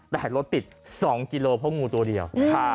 แต่รถติด๒กิโลเพราะงูตัวเดียว